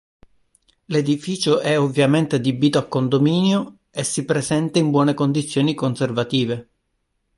L'edificio è ovviamente adibito a condominio e si presenta in buone condizioni conservative.